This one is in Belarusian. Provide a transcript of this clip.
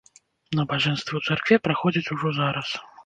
Набажэнствы ў царкве праходзяць ужо зараз.